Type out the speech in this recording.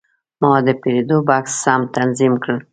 ما د پیرود بکس سم تنظیم کړ.